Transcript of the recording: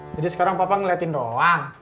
jadi sekarang papa ngeliatin doang